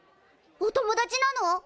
お友達なの？